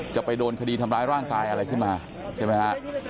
จะไปโดนคดีทำร้ายร่างกายอะไรขึ้นมาใช่ไหมฮะ